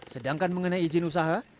sedangkan mengenai izin usaha